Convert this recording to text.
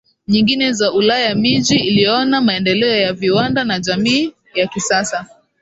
nyingine za Ulaya Miji iliona maendeleo ya viwanda na jamii ya kisasa